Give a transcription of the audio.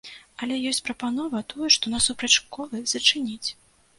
Але ёсць прапанова тую, што насупраць школы, зачыніць.